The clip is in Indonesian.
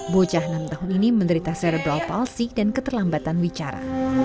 bocah enam tahun ini menderita serebral palsi dan keterlambatan wicara